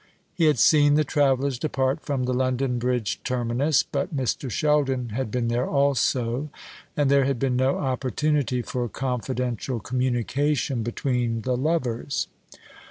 He had seen the travellers depart from the London Bridge terminus, but Mr. Sheldon had been there also, and there had been no opportunity for confidential communication between the lovers.